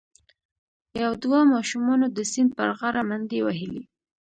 یو دوه ماشومانو د سیند پر غاړه منډې وهلي.